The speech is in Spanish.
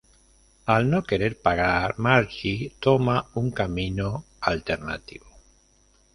Al no querer pagar, Marge toma un camino alternativo.